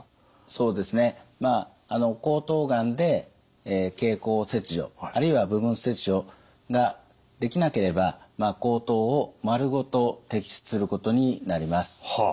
そうですねまああの喉頭がんで経口切除あるいは部分切除ができなければ喉頭を丸ごと摘出することになります。